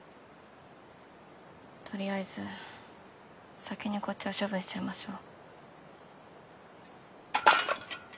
とりあえず先にこっちを処分しちゃいましょう。